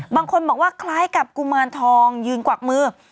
บางคนบอกว่าคล้ายกับกุมารทองยืนกวักมือ